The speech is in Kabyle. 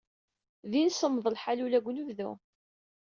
Din semmeḍ lḥal ula deg unebdu.